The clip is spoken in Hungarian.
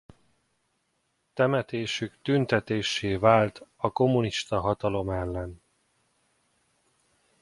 Temetésük tüntetéssé vált a kommunista hatalom ellen.